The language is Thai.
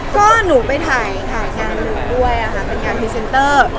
ก็หนูไปถ่ายงานหนูด้วยเป็นงานพิเศนเตอร์